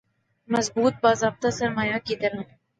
مضبوط باضابطہ سرمایہ کی طرح